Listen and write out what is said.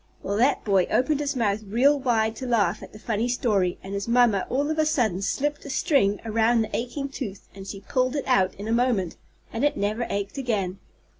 Well, that boy opened his mouth real wide to laugh at the funny story and his mamma all of a sudden slipped a string around the aching tooth and she pulled it out in a moment, and it never ached again.